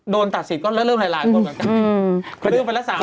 โดนตัดสิทธิ์ก็เริ่มหลายคนเหมือนกัน